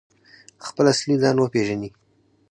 خپل اصلي ځان وپیژني؟